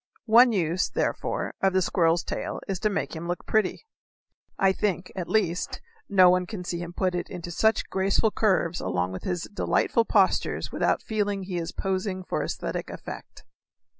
One use, therefore, of the squirrel's tail is to make him look pretty. I think, at least, no one can see him put it into such graceful curves along with his delightful postures without feeling that he is posing for esthetic effect.